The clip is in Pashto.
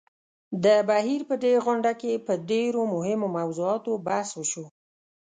د بهېر په دې غونډه کې په ډېرو مهمو موضوعاتو بحث وشو.